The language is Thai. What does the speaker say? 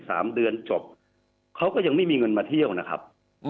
สามเดือนจบเขาก็ยังไม่มีเงินมาเที่ยวนะครับ